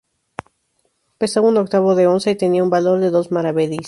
Pesaba un octavo de onza y tenía un valor de dos maravedís.